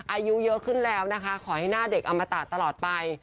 อายุเยอะขึ้นแล้วนะคะขอให้หน้าเด็กอมตะตลอดไป